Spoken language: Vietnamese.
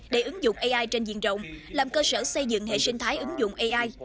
để ứng dụng ai trên diện rộng làm cơ sở xây dựng hệ sinh thái ứng dụng ai